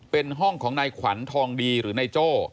เป็นห้องของนายขวัญทองดีหรือนายโจ้